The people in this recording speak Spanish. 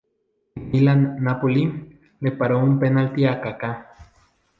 En Milan-Napoli le paró un penalti a Kaká.